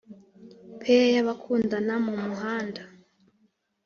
pair y'abakundana mumuhanda!